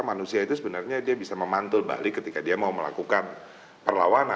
manusia itu sebenarnya dia bisa memantul balik ketika dia mau melakukan perlawanan